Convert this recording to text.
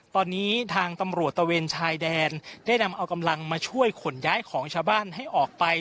ตอนนี้ทางตำรวจตะเวนชายแดนได้นำเอากำลังมาช่วยขนย้ายของชาวบ้านให้ออกไป